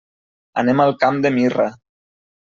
Anem al Camp de Mirra.